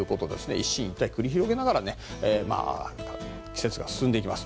一進一退を繰り広げながら季節が進んでいきます。